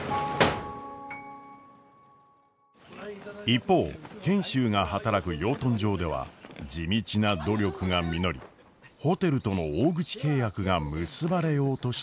一方賢秀が働く養豚場では地道な努力が実りホテルとの大口契約が結ばれようとしていました。